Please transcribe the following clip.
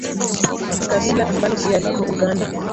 ni kabila ambalo pia liko Uganda